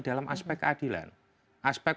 dalam aspek keadilan aspek